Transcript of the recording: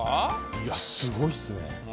いやすごいっすね。